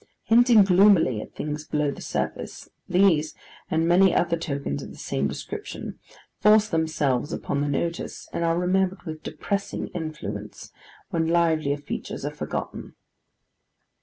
Hinting gloomily at things below the surface, these, and many other tokens of the same description, force themselves upon the notice, and are remembered with depressing influence, when livelier features are forgotten.